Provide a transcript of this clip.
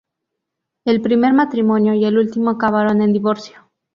El primer matrimonio y el último acabaron en divorcio.